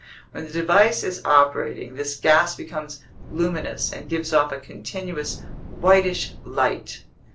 When the device is operating, this gas becomes luminous and gives off a continuous whitish light.